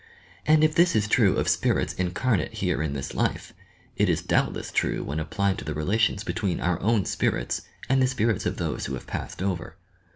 And if this is true of spirits incarnate here in this life, it is doubtless true when applied to the rela tions between our own spirits and the spirits of those who have passed over.